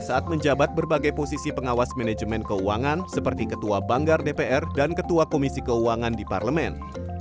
saat menjabat berbagai posisi pengawas manajemen keuangan seperti ketua banggar dpr dan ketua komisi keuangan di parlemen